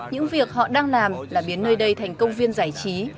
những việc họ đang làm là biến nơi đây thành công viên giải trí